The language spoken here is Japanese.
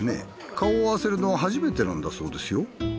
顔を合わせるのは初めてなんだそうですよ。